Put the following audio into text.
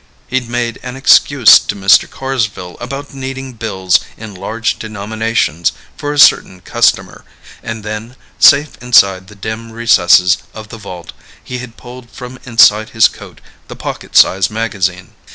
He'd made an excuse to Mr. Carsville about needing bills in large denominations for a certain customer, and then, safe inside the dim recesses of the vault he had pulled from inside his coat the pocket size magazine.